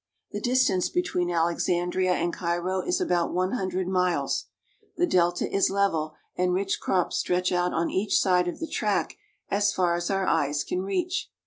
The distance between Alexandria and Cairo is about one hundred miles. The delta is level, and rich crops stretch out on each side of the track as far as our eyes can reach.